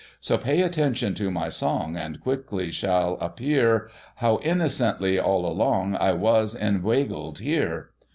So pay attention to my song, And quick el ly shall appear. How innocently, all along, I was in weigle ed here.